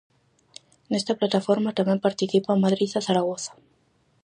Nesta plataforma tamén participan Madrid e Zaragoza.